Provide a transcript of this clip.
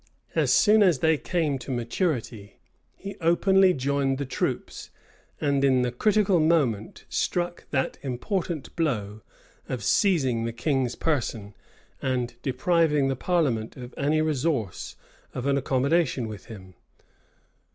As soon as they came to maturity, he openly joined the troops; and, in the critical moment, struck that important blow of seizing the king's person, and depriving the parliament of any resource of an accommodation with him.